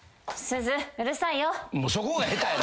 すずうるさいよ。